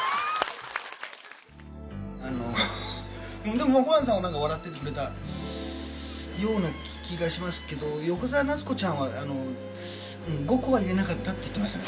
でもホランさんは何か笑っててくれたような気がしますけど横澤夏子ちゃんは５個は入れなかったって言ってましたね